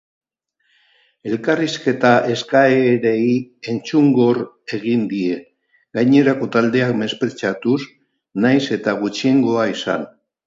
Elkarrizketa eskaerei entzungor egin die, gainerako taldeak mespretxatuz, nahiz eta gutxiengoa izan.